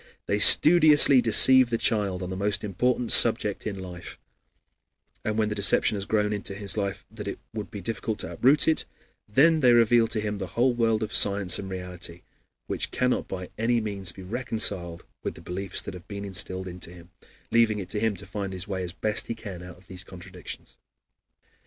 They studiously deceive the child on the most important subject in life, and when the deception has so grown into his life that it would be difficult to uproot it, then they reveal to him the whole world of science and reality, which cannot by any means be reconciled with the beliefs that have been instilled into him, leaving it to him to find his way as best he can out of these contradictions.